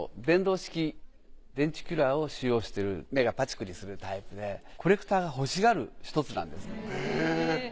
レンチキュラーを使用してる目がパチクリするタイプでコレクターが欲しがる１つなんです。